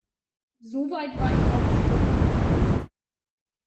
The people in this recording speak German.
So weit war ich auch schon.